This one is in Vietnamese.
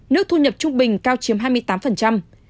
nước thu nhập trung bình cao chiếm hai mươi tám